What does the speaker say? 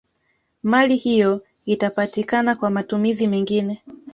Mali hiyo itapatikana kwa matumizi mengine